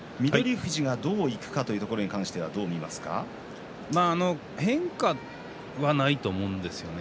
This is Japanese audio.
富士がどういくかというところは変化がないと思うんですよね。